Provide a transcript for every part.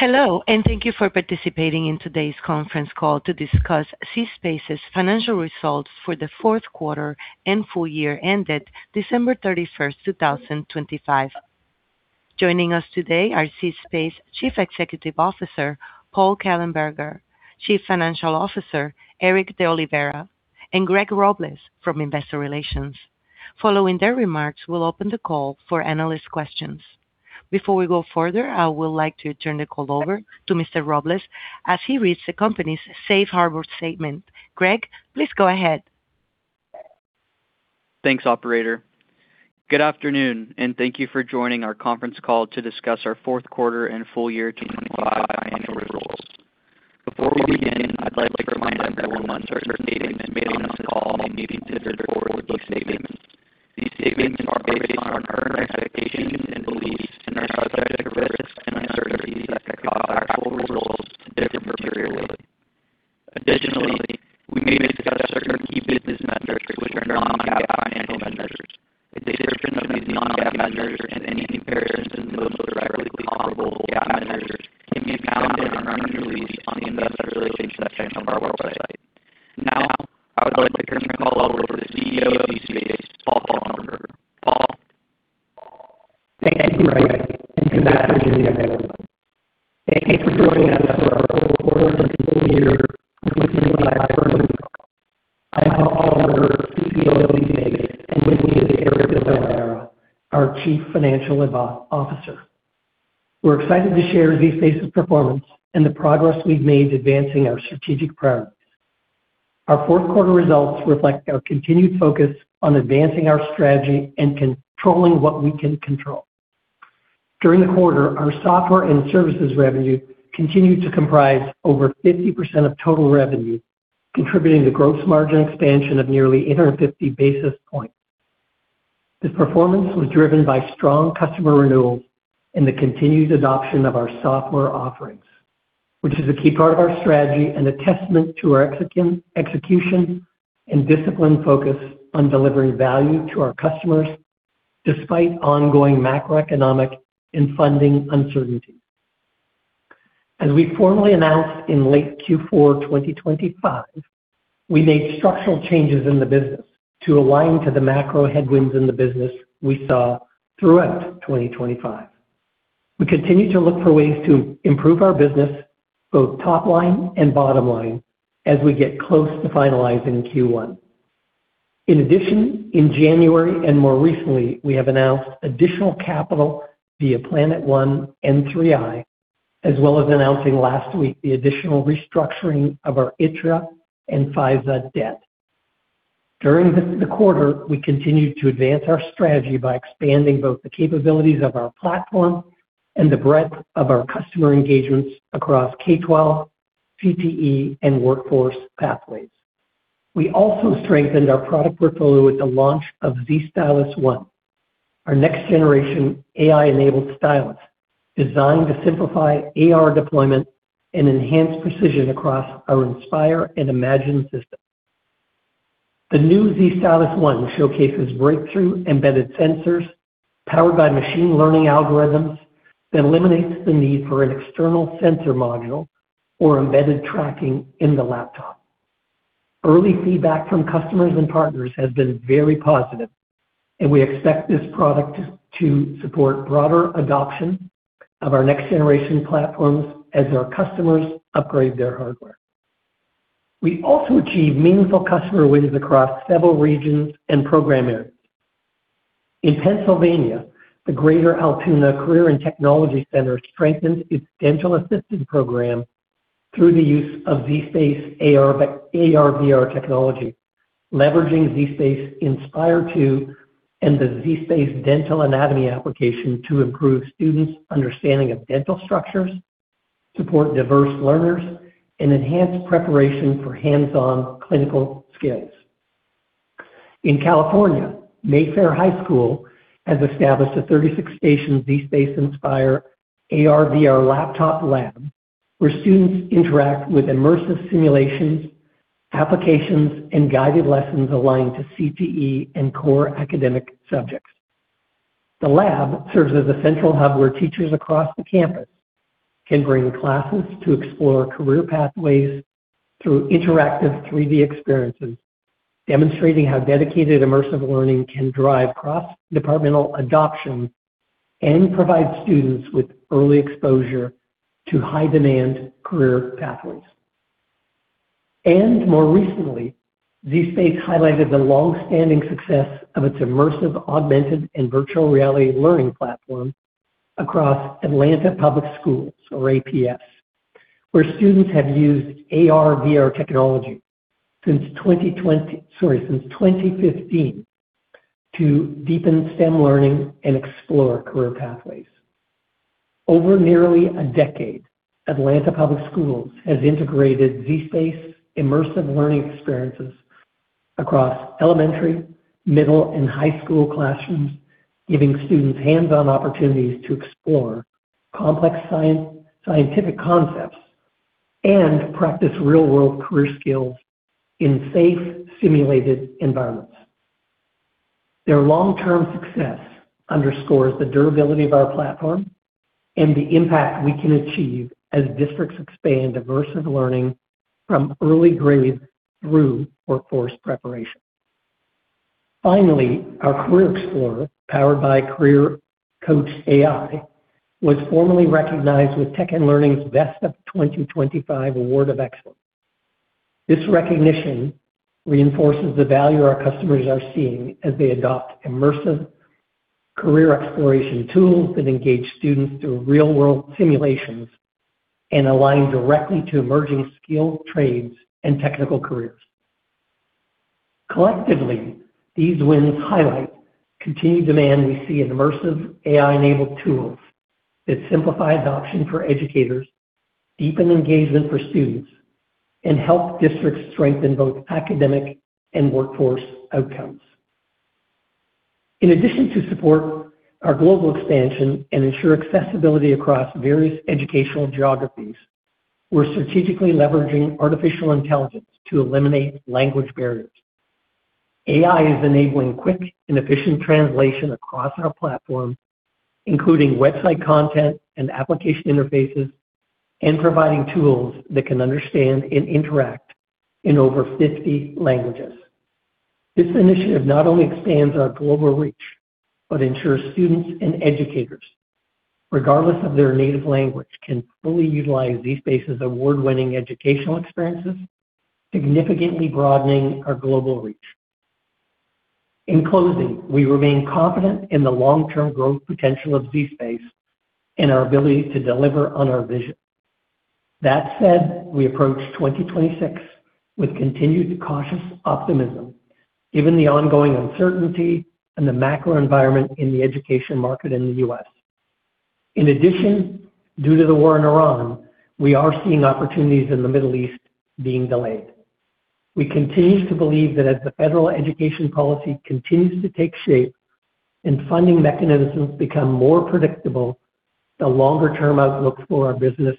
Hello, and thank you for participating in today's conference call to discuss zSpace's financial results for the fourth quarter and full year ended December 31, 2025. Joining us today are zSpace Chief Executive Officer, Paul Kellenberger, Chief Financial Officer, Erick DeOliveira, and Greg Robles from Investor Relations. Following their remarks, we'll open the call for analyst questions. Before we go further, I would like to turn the call over to Mr. Robles as he reads the company's safe harbor statement. Greg, please go ahead. Thanks, operator. Good afternoon, and thank you for joining our conference call to discuss our fourth quarter and full year 2025 financial results. Before we begin, I'd like to remind everyone that certain statements made on this call may be considered forward-looking statements. These statements are based on our current expectations and beliefs and are subject to risks and uncertainties that could cause actual results to differ materially. Additionally, we may discuss certain key business metrics, which are non-GAAP financial measures. A description of these non-GAAP measures and any comparisons to the most directly comparable GAAP measures can be found in our earnings release on the investor relations section of our website. Now, I would like to turn the call over to the CEO of zSpace, Paul Kellenberger. Paul. Thank you, Greg, and good afternoon, everyone. Thank you for joining us for our full fourth and full year 2025 earnings call. I'm Paul Kellenberger, CEO of zSpace, and with me is Erick DeOliveira, our Chief Financial Officer. We're excited to share zSpace's performance and the progress we've made advancing our strategic priorities. Our fourth quarter results reflect our continued focus on advancing our strategy and controlling what we can control. During the quarter, our software and services revenue continued to comprise over 50% of total revenue, contributing to gross margin expansion of nearly 850 basis points. This performance was driven by strong customer renewals and the continued adoption of our software offerings, which is a key part of our strategy and a testament to our execution and disciplined focus on delivering value to our customers despite ongoing macroeconomic and funding uncertainty. As we formally announced in late Q4 2025, we made structural changes in the business to align to the macro headwinds in the business we saw throughout 2025. We continue to look for ways to improve our business, both top line and bottom line as we get close to finalizing Q1. In addition, in January and more recently, we have announced additional capital via Planet One and Itria, as well as announcing last week the additional restructuring of our Itria and Fiza debt. During the quarter, we continued to advance our strategy by expanding both the capabilities of our platform and the breadth of our customer engagements across K-12, CTE, and workforce pathways. We also strengthened our product portfolio with the launch of zStylus One, our next-generation AI-enabled stylus designed to simplify AR deployment and enhance precision across our Inspire and Imagine systems. The new zStylus One showcases breakthrough embedded sensors powered by machine learning algorithms that eliminates the need for an external sensor module or embedded tracking in the laptop. Early feedback from customers and partners has been very positive, and we expect this product to support broader adoption of our next-generation platforms as our customers upgrade their hardware. We also achieved meaningful customer wins across several regions and program areas. In Pennsylvania, the Greater Altoona Career & Technology Center strengthened its dental assistant program through the use of zSpace AR/VR technology, leveraging zSpace Inspire 2 and the zSpace Dental by Leopoly application to improve students' understanding of dental structures, support diverse learners, and enhance preparation for hands-on clinical skills. In California, Mayfair High School has established a 36-station zSpace Inspire AR/VR laptop lab, where students interact with immersive simulations, applications, and guided lessons aligned to CTE and core academic subjects. The lab serves as a central hub where teachers across the campus can bring classes to explore career pathways through interactive 3D experiences, demonstrating how dedicated immersive learning can drive cross-departmental adoption and provide students with early exposure to high-demand career pathways. More recently, zSpace highlighted the long-standing success of its immersive, augmented, and virtual reality learning platform across Atlanta Public Schools or APS, where students have used AR/VR technology since 2015 to deepen STEM learning and explore career pathways. Over nearly a decade, Atlanta Public Schools has integrated zSpace immersive learning experiences across elementary, middle, and high school classrooms, giving students hands-on opportunities to explore complex scientific concepts and practice real-world career skills in safe, simulated environments. Their long-term success underscores the durability of our platform and the impact we can achieve as districts expand immersive learning from early grades through workforce preparation. Finally, our Career Explorer, powered by Career Coach AI, was formally recognized with Tech & Learning's Best of 2025 Award of Excellence. This recognition reinforces the value our customers are seeing as they adopt immersive career exploration tools that engage students through real-world simulations and align directly to emerging skill trades and technical careers. Collectively, these wins highlight continued demand we see in immersive AI-enabled tools that simplify adoption for educators, deepen engagement for students, and help districts strengthen both academic and workforce outcomes. In addition, to support our global expansion and ensure accessibility across various educational geographies, we're strategically leveraging artificial intelligence to eliminate language barriers. AI is enabling quick and efficient translation across our platform, including website content and application interfaces, and providing tools that can understand and interact in over 50 languages. This initiative not only expands our global reach, but ensures students and educators, regardless of their native language, can fully utilize zSpace's award-winning educational experiences, significantly broadening our global reach. In closing, we remain confident in the long-term growth potential of zSpace and our ability to deliver on our vision. That said, we approach 2026 with continued cautious optimism, given the ongoing uncertainty in the macro environment in the education market in the U.S. In addition, due to the war in Iran, we are seeing opportunities in the Middle East being delayed. We continue to believe that as the federal education policy continues to take shape and funding mechanisms become more predictable, the longer-term outlook for our business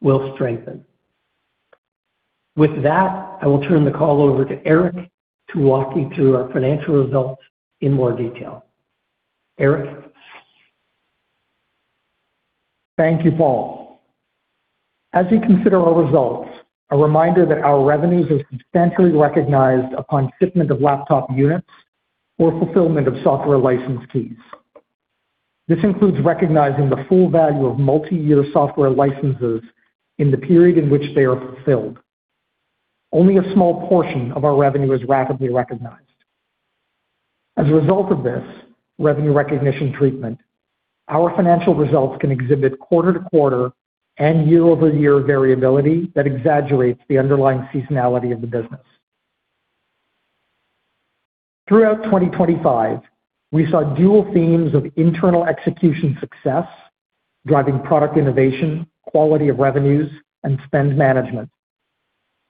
will strengthen. With that, I will turn the call over to Erik to walk you through our financial results in more detail. Erick? Thank you, Paul. As you consider our results, a reminder that our revenues are substantially recognized upon shipment of laptop units or fulfillment of software license keys. This includes recognizing the full value of multi-year software licenses in the period in which they are fulfilled. Only a small portion of our revenue is rapidly recognized. As a result of this revenue recognition treatment, our financial results can exhibit quarter-to-quarter and year-over-year variability that exaggerates the underlying seasonality of the business. Throughout 2025, we saw dual themes of internal execution success, driving product innovation, quality of revenues, and spend management,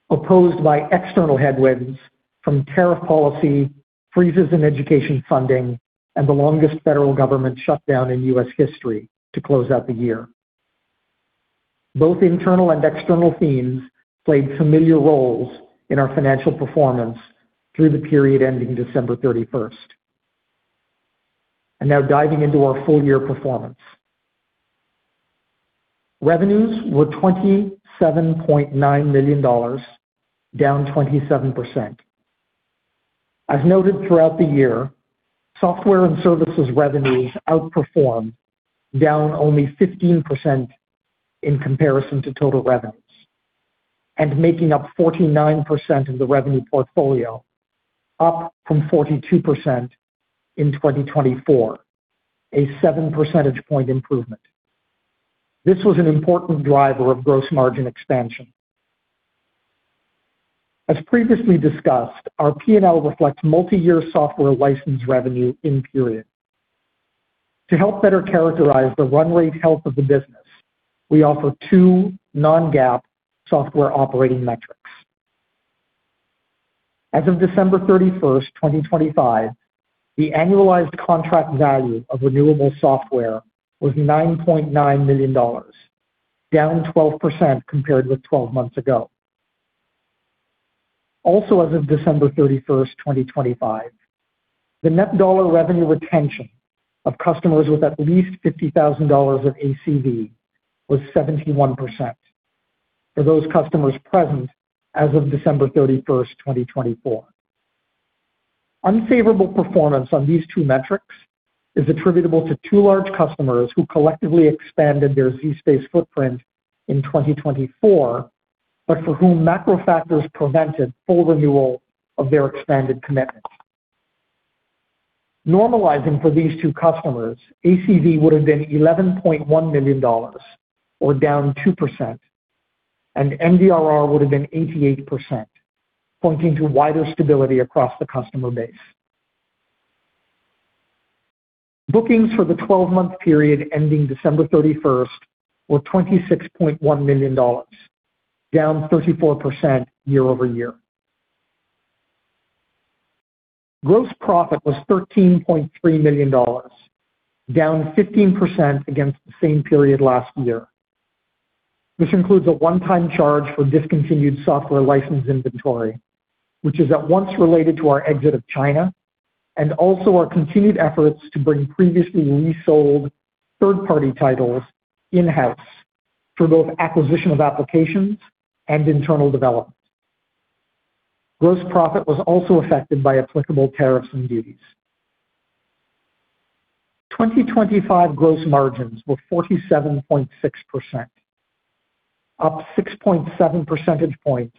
opposed by external headwinds from tariff policy, freezes in education funding, and the longest federal government shutdown in U.S. history to close out the year. Both internal and external themes played familiar roles in our financial performance through the period ending December 31. Now diving into our full-year performance. Revenues were $27.9 million, down 27%. As noted throughout the year, software and services revenues outperformed, down only 15% in comparison to total revenues, and making up 49% of the revenue portfolio, up from 42% in 2024, a 7 percentage point improvement. This was an important driver of gross margin expansion. As previously discussed, our P&L reflects multi-year software license revenue in period. To help better characterize the run rate health of the business, we offer two non-GAAP software operating metrics. As of December 31, 2025, the annualized contract value of renewable software was $9.9 million, down 12% compared with 12 months ago. As of December 31, 2025, the net dollar revenue retention of customers with at least $50,000 of ACV was 71% for those customers present as of December 31, 2024. Unfavorable performance on these two metrics is attributable to two large customers who collectively expanded their zSpace footprint in 2024, but for whom macro factors prevented full renewal of their expanded commitments. Normalizing for these two customers, ACV would have been $11.1 million or down 2%, and NDRR would have been 88%, pointing to wider stability across the customer base. Bookings for the twelve-month period ending December 31 were $26.1 million, down 34% year-over-year. Gross profit was $13.3 million, down 15% against the same period last year. This includes a one-time charge for discontinued software license inventory, which is at once related to our exit of China and also our continued efforts to bring previously resold third-party titles in-house for both acquisition of applications and internal development. Gross profit was also affected by applicable tariffs and duties. 2025 gross margins were 47.6%, up 6.7 percentage points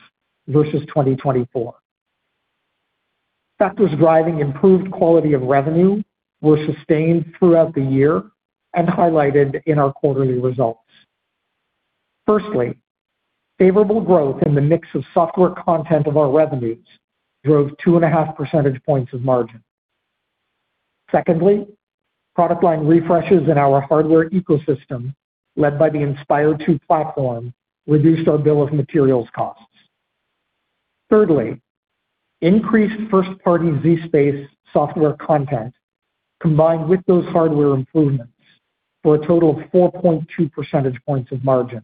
versus 2024. Factors driving improved quality of revenue were sustained throughout the year and highlighted in our quarterly results. Firstly, favorable growth in the mix of software content of our revenues drove 2.5 percentage points of margin. Secondly, product line refreshes in our hardware ecosystem, led by the Inspire 2 platform, reduced our bill of materials costs. Thirdly, increased first-party zSpace software content combined with those hardware improvements for a total of 4.2 percentage points of margin,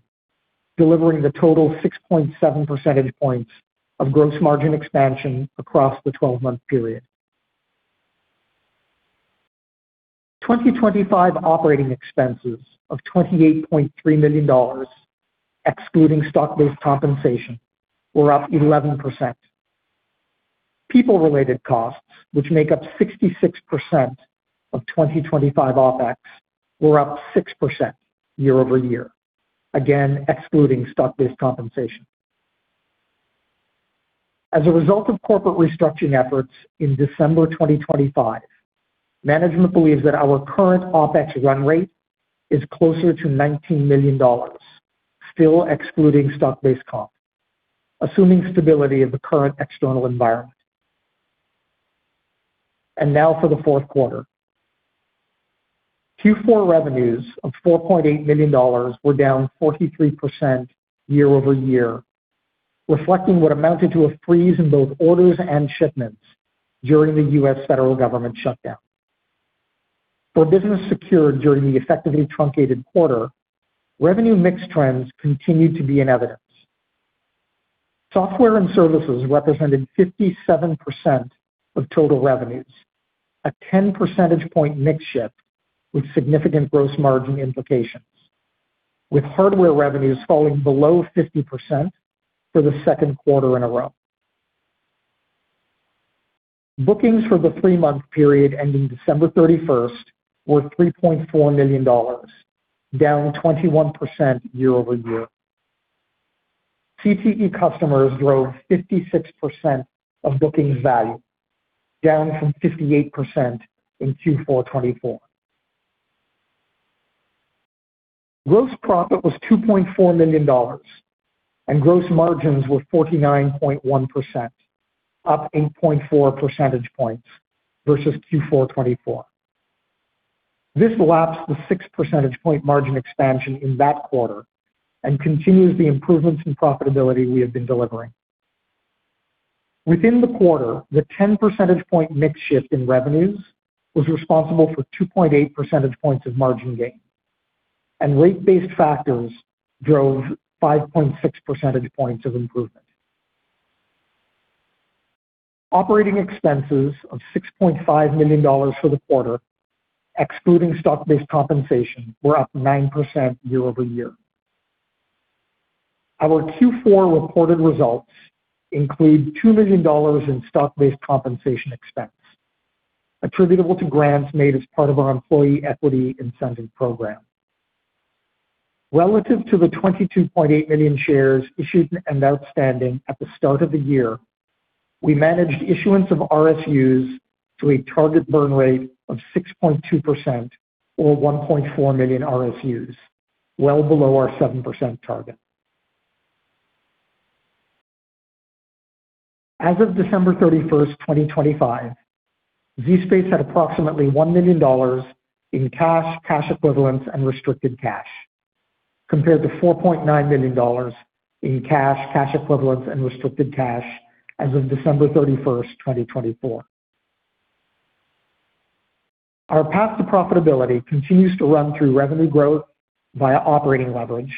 delivering the total 6.7 percentage points of gross margin expansion across the 12-month period. 2025 operating expenses of $28.3 million, excluding stock-based compensation, were up 11%. People-related costs, which make up 66% of 2025 OpEx, were up 6% year-over-year, again, excluding stock-based compensation. As a result of corporate restructuring efforts in December 2025, management believes that our current OpEx run rate is closer to $19 million, still excluding stock-based comp, assuming stability of the current external environment. Now for the fourth quarter. Q4 revenues of $4.8 million were down 43% year-over-year, reflecting what amounted to a freeze in both orders and shipments during the U.S. federal government shutdown. For business secured during the effectively truncated quarter, revenue mix trends continued to be in evidence. Software and services represented 57% of total revenues, a 10 percentage point mix shift with significant gross margin implications, with hardware revenues falling below 50% for the second quarter in a row. Bookings for the three-month period ending December 31 were $3.4 million, down 21% year-over-year. CTE customers drove 56% of bookings value, down from 58% in Q4 2024. Gross profit was $2.4 million, and gross margins were 49.1%, up 8.4 percentage points versus Q4 2024. This laps the 6 percentage point margin expansion in that quarter and continues the improvements in profitability we have been delivering. Within the quarter, the 10 percentage point mix shift in revenues was responsible for 2.8 percentage points of margin gain, and rate-based factors drove 5.6 percentage points of improvement. Operating expenses of $6.5 million for the quarter, excluding stock-based compensation, were up 9% year over year. Our Q4 reported results include $2 million in stock-based compensation expense attributable to grants made as part of our employee equity incentive program. Relative to the 22.8 million shares issued and outstanding at the start of the year, we managed issuance of RSUs to a target burn rate of 6.2% or 1.4 million RSUs, well below our 7% target. As of December 31, 2025, zSpace had approximately $1 million in cash equivalents, and restricted cash compared to $4.9 million in cash equivalents, and restricted cash as of December 31, 2024. Our path to profitability continues to run through revenue growth via operating leverage,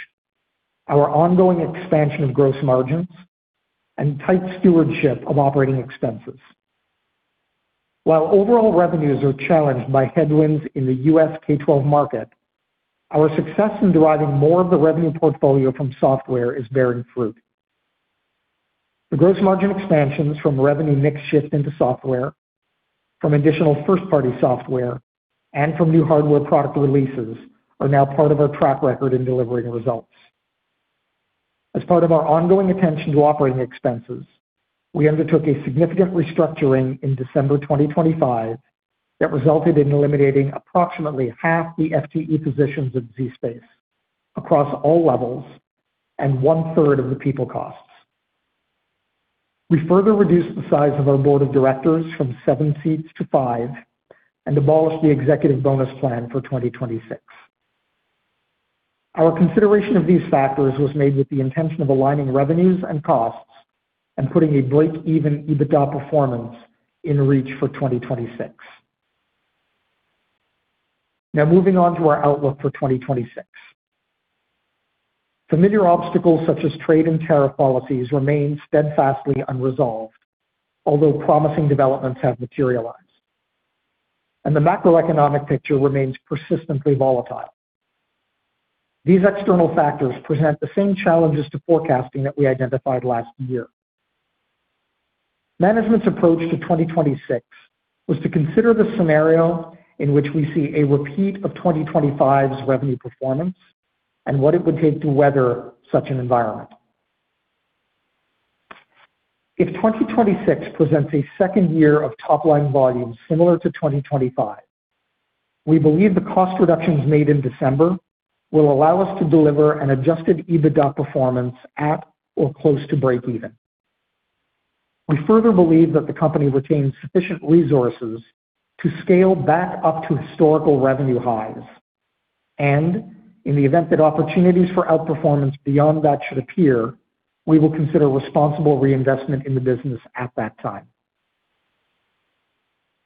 our ongoing expansion of gross margins, and tight stewardship of operating expenses. While overall revenues are challenged by headwinds in the U.S. K-12 market, our success in deriving more of the revenue portfolio from software is bearing fruit. The gross margin expansions from revenue mix shift into software from additional first-party software and from new hardware product releases are now part of our track record in delivering results. As part of our ongoing attention to operating expenses, we undertook a significant restructuring in December 2025 that resulted in eliminating approximately half the FTE positions of zSpace across all levels and one-third of the people costs. We further reduced the size of our board of directors from 7 seats to 5 and abolished the executive bonus plan for 2026. Our consideration of these factors was made with the intention of aligning revenues and costs and putting a breakeven EBITDA performance in reach for 2026. Now moving on to our outlook for 2026. Familiar obstacles such as trade and tariff policies remain steadfastly unresolved, although promising developments have materialized. The macroeconomic picture remains persistently volatile. These external factors present the same challenges to forecasting that we identified last year. Management's approach to 2026 was to consider the scenario in which we see a repeat of 2025's revenue performance and what it would take to weather such an environment. If 2026 presents a second year of top line volume similar to 2025, we believe the cost reductions made in December will allow us to deliver an adjusted EBITDA performance at or close to breakeven. We further believe that the company retains sufficient resources to scale back up to historical revenue highs. In the event that opportunities for outperformance beyond that should appear, we will consider responsible reinvestment in the business at that time.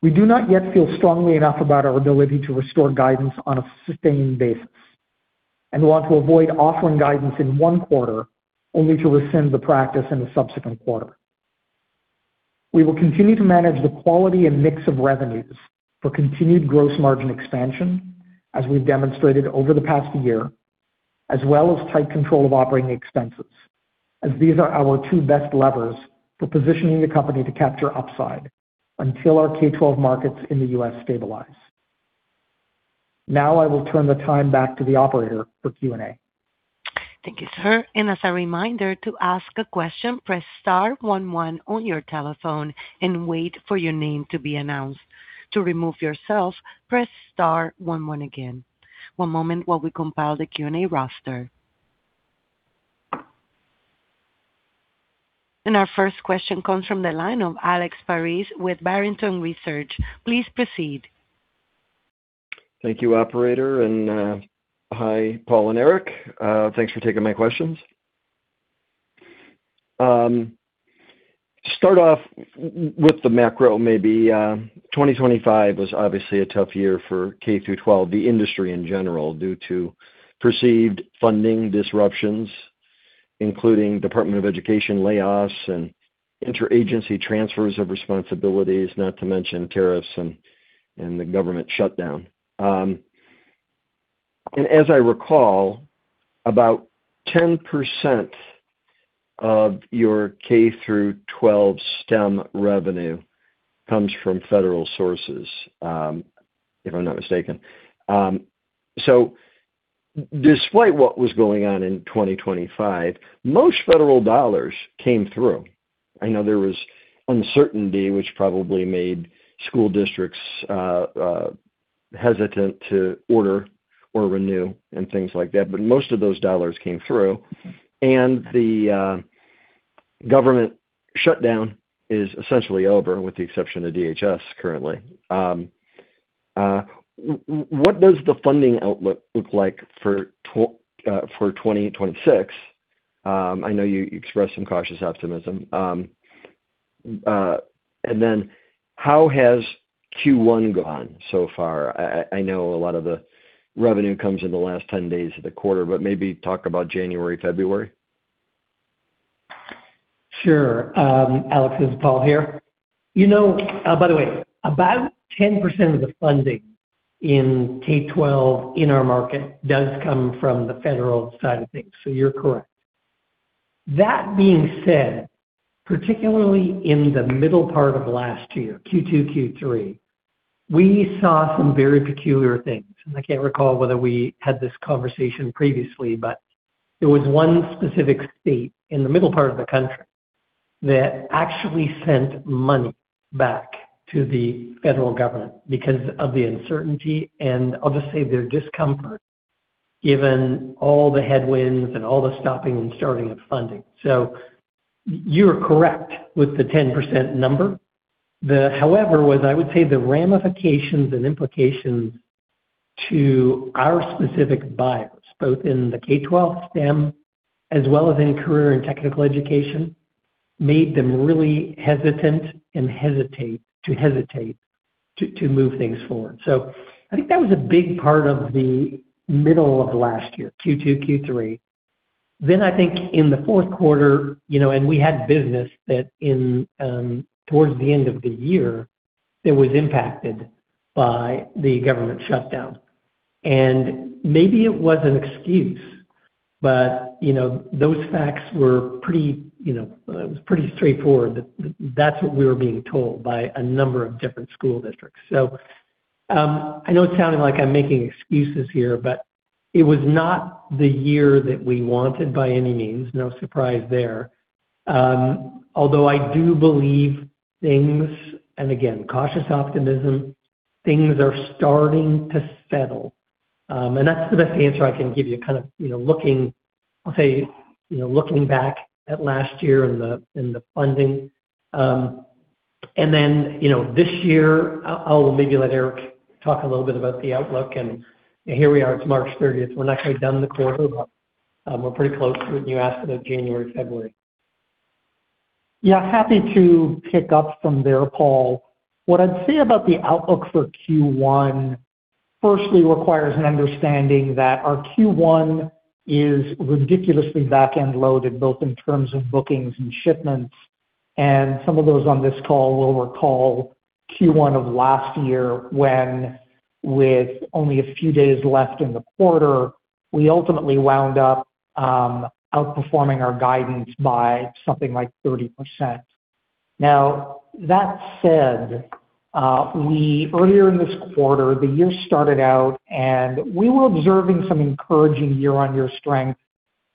We do not yet feel strongly enough about our ability to restore guidance on a sustained basis, and want to avoid offering guidance in one quarter only to rescind the practice in the subsequent quarter. We will continue to manage the quality and mix of revenues for continued gross margin expansion as we've demonstrated over the past year, as well as tight control of operating expenses, as these are our two best levers for positioning the company to capture upside until our K-12 markets in the U.S. stabilize. Now I will turn the time back to the operator for Q&A. Thank you, sir. As a reminder to ask a question, press star one one on your telephone and wait for your name to be announced. To remove yourself, press star one one again. One moment while we compile the Q&A roster. Our first question comes from the line of Alex Paris with Barrington Research. Please proceed. Thank you, operator. Hi, Paul and Erick. Thanks for taking my questions. Start off with the macro maybe. 2025 was obviously a tough year for K-12, the industry in general, due to perceived funding disruptions, including Department of Education layoffs and inter-agency transfers of responsibilities, not to mention tariffs and the government shutdown. As I recall, about 10% of your K-12 STEM revenue comes from federal sources, if I'm not mistaken. Despite what was going on in 2025, most federal dollars came through. I know there was uncertainty which probably made school districts hesitant to order or renew and things like that, but most of those dollars came through. The government shutdown is essentially over, with the exception of DHS currently. What does the funding outlook look like for 2026? I know you expressed some cautious optimism. How has Q1 gone so far? I know a lot of the revenue comes in the last 10 days of the quarter, but maybe talk about January, February. Sure. Alex, this is Paul here. You know, by the way, about 10% of the funding in K-12 in our market does come from the federal side of things. You're correct. That being said, particularly in the middle part of last year, Q2, Q3, we saw some very peculiar things. I can't recall whether we had this conversation previously, but there was one specific state in the middle part of the country that actually sent money back to the federal government because of the uncertainty and I'll just say their discomfort, given all the headwinds and all the stopping and starting of funding. You are correct with the 10% number. However, it was, I would say, the ramifications and implications to our specific buyers, both in the K-12 STEM as well as in career and technical education, made them really hesitant to move things forward. I think that was a big part of the middle of last year, Q2, Q3. I think in the fourth quarter, you know, and we had business that, in, towards the end of the year, that was impacted by the government shutdown. Maybe it was an excuse, but, you know, those facts were pretty straightforward that's what we were being told by a number of different school districts. I know it's sounding like I'm making excuses here, but it was not the year that we wanted by any means. No surprise there. Although I do believe things, and again, cautious optimism, things are starting to settle. That's the best answer I can give you, kind of, you know, I'll say, you know, looking back at last year and the funding. Then, you know, this year, I'll maybe let Erick talk a little bit about the outlook. Here we are, it's March thirtieth. We're not quite done the quarter, but we're pretty close to it. You asked about January, February. Yeah, happy to pick up from there, Paul. What I'd say about the outlook for Q1 firstly requires an understanding that our Q1 is ridiculously back-end loaded, both in terms of bookings and shipments. Some of those on this call will recall Q1 of last year when, with only a few days left in the quarter, we ultimately wound up outperforming our guidance by something like 30%. Now, that said, earlier in this quarter, the year started out, and we were observing some encouraging year-on-year strength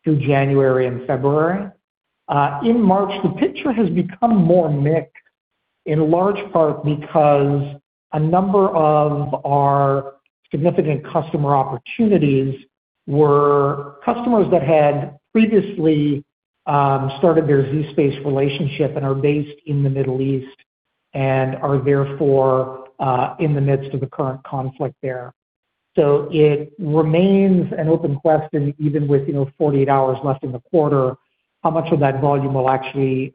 through January and February. In March, the picture has become more mixed, in large part because a number of our significant customer opportunities were customers that had previously started their zSpace relationship and are based in the Middle East and are therefore in the midst of the current conflict there. It remains an open question, even with, you know, 48 hours left in the quarter, how much of that volume will actually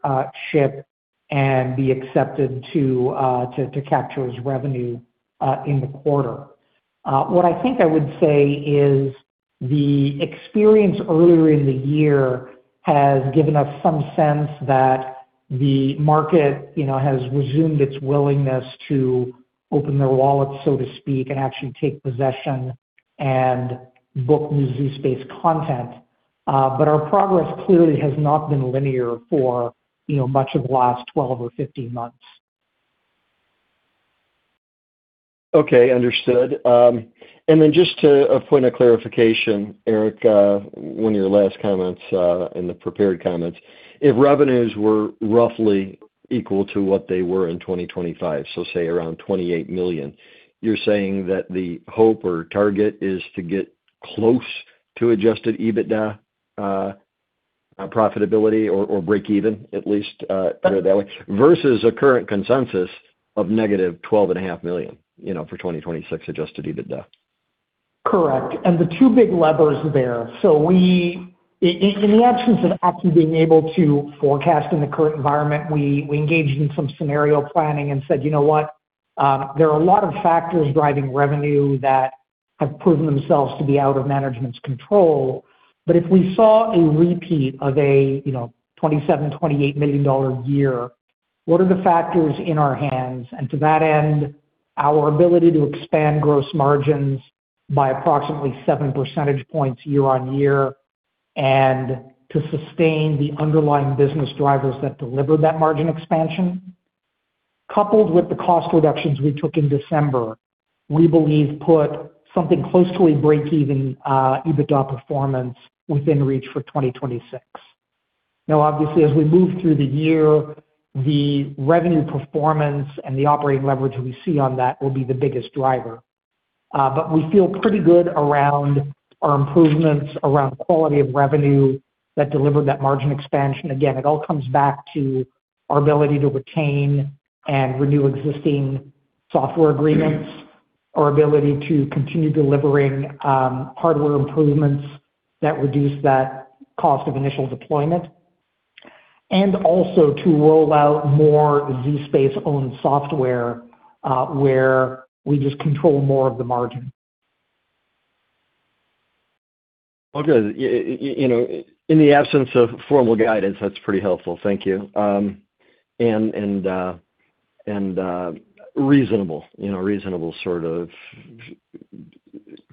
ship and be accepted to capture as revenue in the quarter. What I think I would say is the experience earlier in the year has given us some sense that the market, you know, has resumed its willingness to open their wallets, so to speak, and actually take possession and book new zSpace content. But our progress clearly has not been linear for, you know, much of the last 12 or 15 months. Okay. Understood. To a point of clarification, Erick, one of your last comments in the prepared comments, if revenues were roughly equal to what they were in 2025, so say around $28 million, you're saying that the hope or target is to get close to adjusted EBITDA profitability or breakeven at least. Put it that way, versus a current consensus of -$12.5 million, you know, for 2026 adjusted EBITDA. Correct. The two big levers there. In the absence of actually being able to forecast in the current environment, we engaged in some scenario planning and said, "You know what? There are a lot of factors driving revenue that have proven themselves to be out of management's control. But if we saw a repeat of a $27 million-$28 million year, what are the factors in our hands?" To that end, our ability to expand gross margins by approximately 7 percentage points year-over-year and to sustain the underlying business drivers that delivered that margin expansion, coupled with the cost reductions we took in December, we believe put something close to a breakeven EBITDA performance within reach for 2026. Now obviously, as we move through the year, the revenue performance and the operating leverage we see on that will be the biggest driver. We feel pretty good around our improvements around quality of revenue that delivered that margin expansion. Again, it all comes back to our ability to retain and renew existing software agreements, our ability to continue delivering, hardware improvements that reduce that cost of initial deployment, and also to roll out more zSpace-owned software, where we just control more of the margin. Okay. You know, in the absence of formal guidance, that's pretty helpful. Thank you. Reasonable, you know, sort of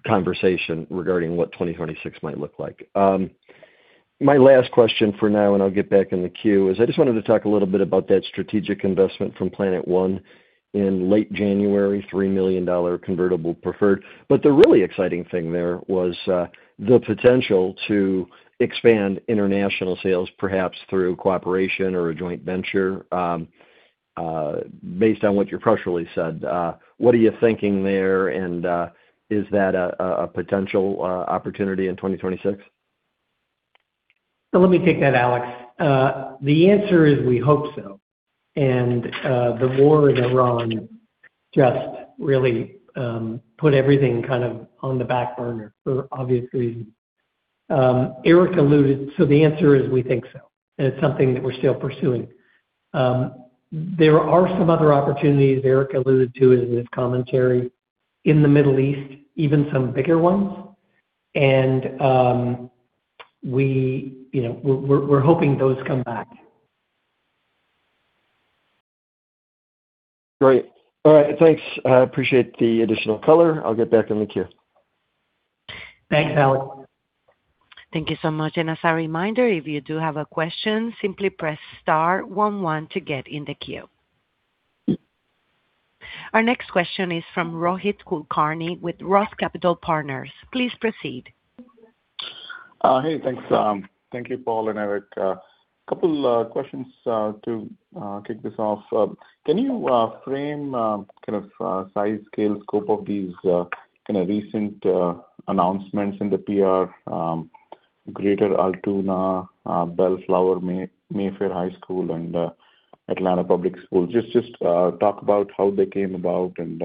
conversation regarding what 2026 might look like. My last question for now, and I'll get back in the queue, is I just wanted to talk a little bit about that strategic investment from Planet One in late January, $3 million convertible preferred. The really exciting thing there was the potential to expand international sales, perhaps through cooperation or a joint venture, based on what your press release said. What are you thinking there? Is that a potential opportunity in 2026? Let me take that, Alex. The answer is we hope so. The war in Iran just really put everything kind of on the back burner for obvious reasons. The answer is we think so, and it's something that we're still pursuing. There are some other opportunities Erick alluded to in his commentary in the Middle East, even some bigger ones. We, you know, we're hoping those come back. Great. All right. Thanks. I appreciate the additional color. I'll get back in the queue. Thanks, Alex. Thank you so much. As a reminder, if you do have a question, simply press star one one to get in the queue. Our next question is from Rohit Kulkarni with Roth Capital Partners. Please proceed. Hey, thanks. Thank you, Paul and Erick. Couple questions to kick this off. Can you frame kind of size, scale, scope of these kind of recent announcements in the PR, Greater Altoona, Bellflower, Mayfair High School, and Atlanta Public Schools? Just talk about how they came about and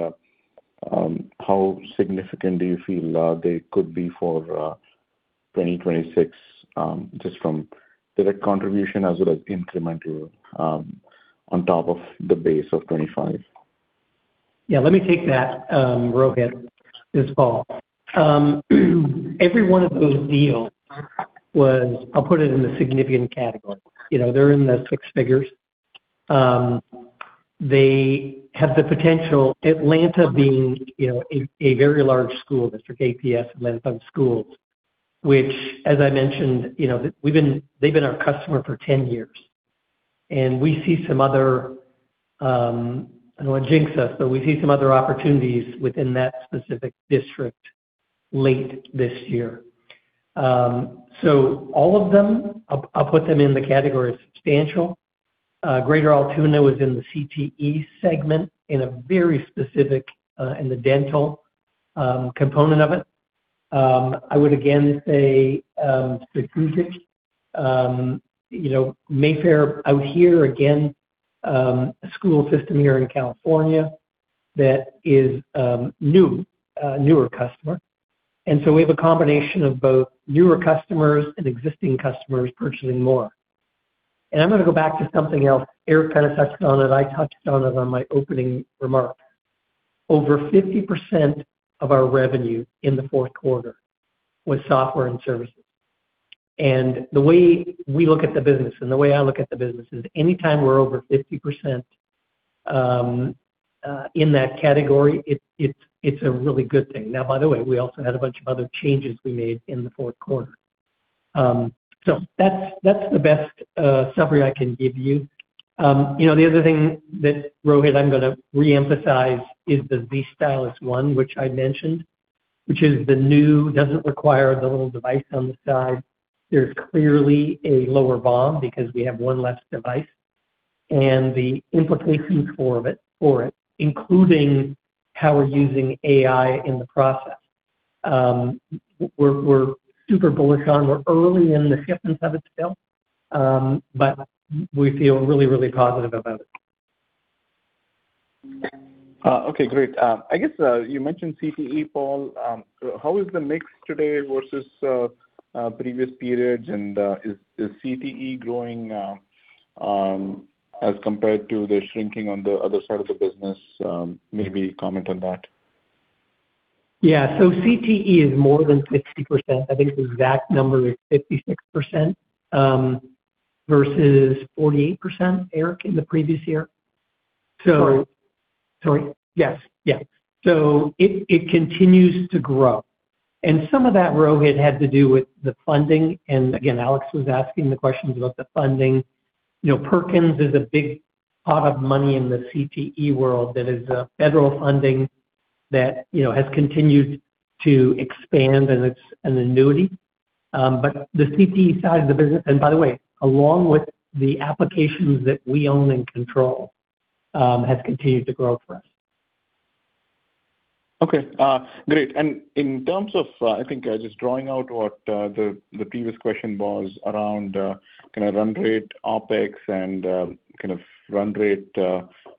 how significant do you feel they could be for 2026, just from direct contribution as it is incremental on top of the base of 2025. Yeah, let me take that, Rohit, this fall. Every one of those deals was, I'll put it in a significant category. You know, they're in the six figures. They have the potential, Atlanta being, you know, a very large school district, APS Atlanta Public Schools, which as I mentioned, you know, they've been our customer for 10 years. We see some other, I don't wanna jinx us, but we see some other opportunities within that specific district late this year. All of them, I'll put them in the category substantial. Greater Altoona was in the CTE segment in a very specific dental component of it. I would again say, Sikorsky, you know, Mayfair out here again, a school system here in California that is, newer customer. We have a combination of both newer customers and existing customers purchasing more. I'm gonna go back to something else. Erick kind of touched on it. I touched on it on my opening remarks. Over 50% of our revenue in the fourth quarter was software and services. The way we look at the business and the way I look at the business is anytime we're over 50% in that category, it's a really good thing. Now, by the way, we also had a bunch of other changes we made in the fourth quarter. That's the best summary I can give you. You know, the other thing that, Rohit, I'm gonna reemphasize is the zStylus One, which I mentioned, which is the new, doesn't require the little device on the side. There's clearly a lower BOM because we have one less device. The implications for it, including how we're using AI in the process, we're super bullish on. We're early in the shipments of it still, but we feel really, really positive about it. Okay, great. I guess you mentioned CTE, Paul. How is the mix today versus previous periods? Is CTE growing as compared to the shrinking on the other side of the business? Maybe comment on that. Yeah. CTE is more than 50%. I think the exact number is 56%, versus 48%, Erick, in the previous year? Sorry. Sorry. Yes. Yeah. It continues to grow. Some of that, Rohit, had to do with the funding. Again, Alex was asking the questions about the funding. You know, Perkins is a big pot of money in the CTE world that is federal funding that, you know, has continued to expand, and it's an annuity. The CTE side of the business, by the way, along with the applications that we own and control, has continued to grow for us. Okay. Great. In terms of, I think just drawing out what the previous question was around, kind of run rate OpEx and kind of run rate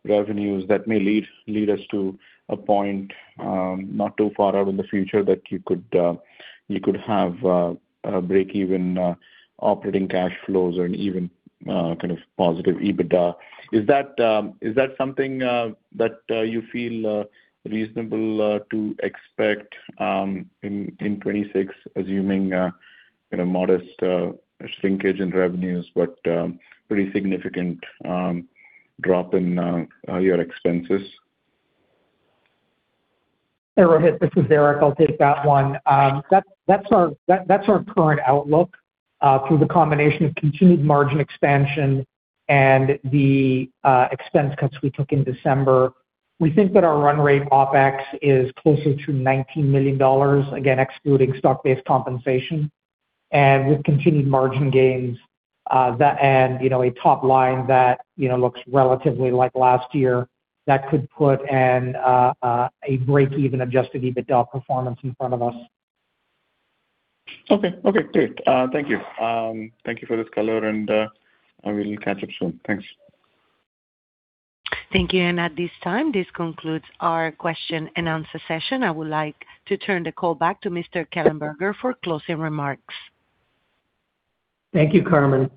revenues that may lead us to a point not too far out in the future that you could have a break even operating cash flows or an even kind of positive EBITDA. Is that something that you feel reasonable to expect in 2026, assuming you know modest shrinkage in revenues, but pretty significant drop in your expenses? Hey, Rohit, this is Erick. I'll take that one. That's our current outlook through the combination of continued margin expansion and the expense cuts we took in December. We think that our run rate OpEx is closer to $19 million, again excluding stock-based compensation. With continued margin gains, that and, you know, a top line that, you know, looks relatively like last year, that could put a break even adjusted EBITDA performance in front of us. Okay, great. Thank you for this color and I will catch up soon. Thanks. Thank you. At this time, this concludes our question and answer session. I would like to turn the call back to Mr. Kellenberger for closing remarks. Thank you, Carmen.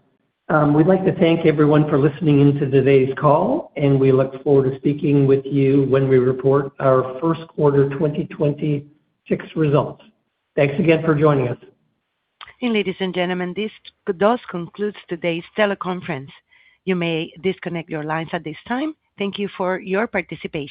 We'd like to thank everyone for listening in to today's call, and we look forward to speaking with you when we report our first quarter 2026 results. Thanks again for joining us. Ladies and gentlemen, this does conclude today's teleconference. You may disconnect your lines at this time. Thank you for your participation.